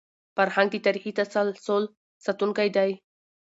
فرهنګ د تاریخي تسلسل ساتونکی دی.